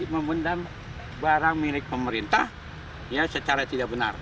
membendam barang milik pemerintah secara tidak benar